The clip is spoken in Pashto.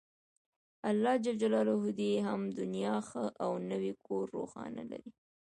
الله ﷻ دې يې هغه دنيا ښه او نوی کور روښانه لري